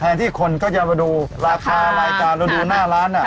แทนที่คนก็จะไปดูราคารายจาระดูนหน้าร้านน่ะค่ะ